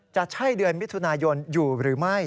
จะใช่เดือนมิถุนายนอยู่หรือไม่